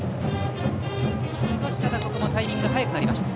少し、ここもタイミングが早くなりました。